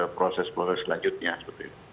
proses proses selanjutnya seperti itu